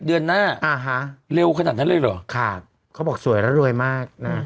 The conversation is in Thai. เดือนหน้าอ่าฮะเร็วขนาดนั้นเลยเหรอครับเขาบอกสวยแล้วรวยมากนะ